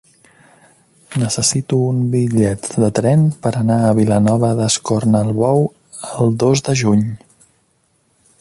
Necessito un bitllet de tren per anar a Vilanova d'Escornalbou el dos de juny.